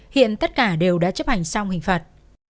hiện tất cả đều đã chấp hành xong hình phạt